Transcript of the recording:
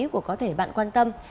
của có thể bạn quan tâm